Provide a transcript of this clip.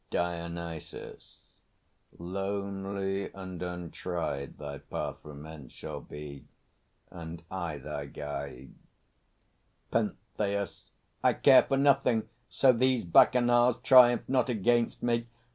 DIONYSUS. Lonely and untried Thy path from hence shall be, and I thy guide! PENTHEUS. I care for nothing, so these Bacchanals Triumph not against me! ...